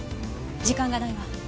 時間がないわ。